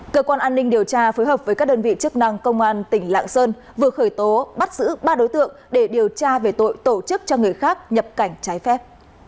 cơ quan an ninh điều tra phối hợp với các đơn vị chức năng công an tỉnh lạng sơn vừa khởi tố bắt giữ ba đối tượng để điều tra về tội tổ chức cho người khác nhập cảnh trái phép